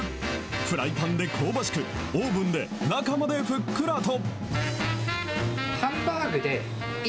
フライパンで香ばしく、オーブンで中までふっくらと。